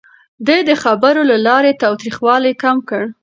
ده د خبرو له لارې تاوتريخوالی کم کړ.